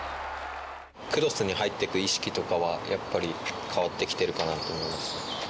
クロスに入ってく意識とかは、やっぱり変わってきてるかなと思います。